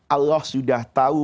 allah sudah tahu